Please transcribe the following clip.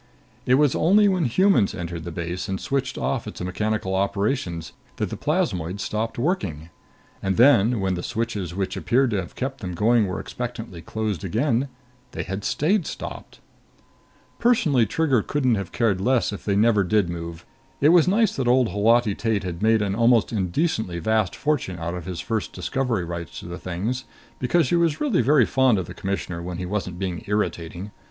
It was only when humans entered the base and switched off its mechanical operations that the plasmoids stopped working and then, when the switches which appeared to have kept them going were expectantly closed again, they had stayed stopped. Personally, Trigger couldn't have cared less if they never did move. It was nice that old Holati Tate had made an almost indecently vast fortune out of his first discovery rights to the things, because she was really very fond of the Commissioner when he wasn't being irritating.